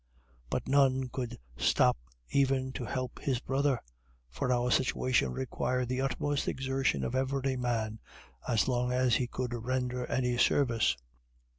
But none could stop even to help his brother, for our situation required the utmost exertion of every man as long as he could render any service.